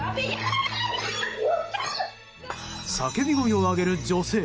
叫び声を上げる女性。